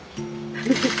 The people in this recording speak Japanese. フフフ！